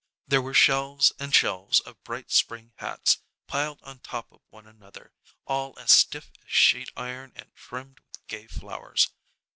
There were shelves and shelves of bright spring hats, piled on top of one another, all as stiff as sheet iron and trimmed with gay flowers.